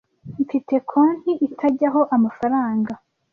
Mfite konti itajyaho amafaranga.